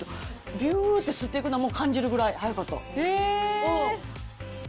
びゅーって吸っていくのを感じるぐらい速かった。